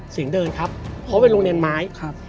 เสียงเดินครับเพราะเป็นโรงเรียนไม้